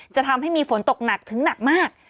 จะทำให้มีฝนตกหนักถึงหนักมาก